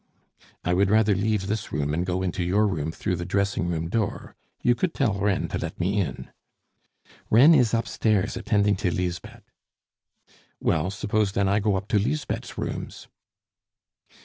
"I would rather leave this room and go into your room through the dressing room door. You could tell Reine to let me in." "Reine is upstairs attending to Lisbeth." "Well, suppose then I go up to Lisbeth's rooms?"